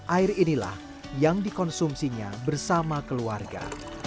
air inilah yang dikonsumsinya bersama keluarga